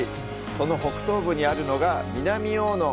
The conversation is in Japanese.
その北東部にあるのが南大野。